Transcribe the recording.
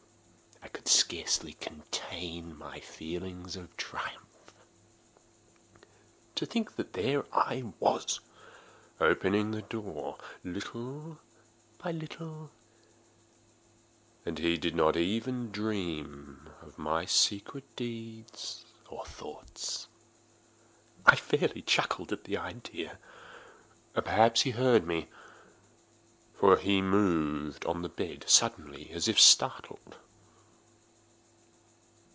I could scarcely contain my feelings of triumph. To think that there I was, opening the door, little by little, and he not even to dream of my secret deeds or thoughts. I fairly chuckled at the idea; and perhaps he heard me; for he moved on the bed suddenly, as if startled.